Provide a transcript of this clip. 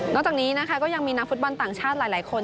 จากนี้นะคะก็ยังมีนักฟุตบอลต่างชาติหลายคน